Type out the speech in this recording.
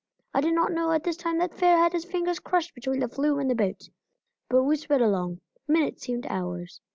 I did not know at this time that Fair had his fingers crushed between the flume and the boat. But we sped along; minutes seemed hours.